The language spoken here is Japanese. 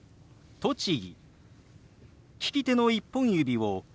「栃木」。